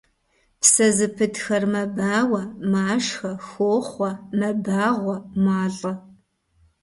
Псэ зыпытхэр мэбауэ, машхэ, хохъуэ, мэбагъуэ, малӀэ.